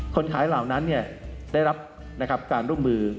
คนขายเหล่านั้นได้รับการร่วมมือ